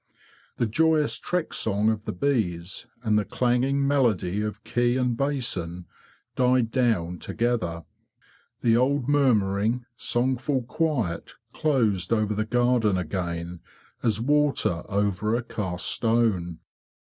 The joyous trek song of the bees, and the clang ing melody of key and basin, died down together. The old murmuring, songful quiet closed over the garden again, as water over a cast stone.